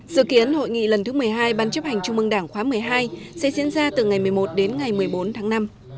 dự kiến hội nghị lần thứ một mươi hai ban chấp hành trung mương đảng khóa một mươi hai sẽ diễn ra từ ngày một mươi một đến ngày một mươi bốn tháng năm